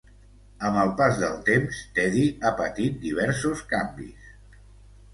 Amb el pas del temps, Teddy ha patit diversos canvis.